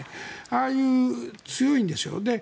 ああいう強いんですよ。